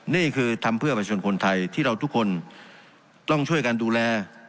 นี่คือทำเพื่อประชาชนคนไทยที่เราทุกคนต้องช่วยกันดูแล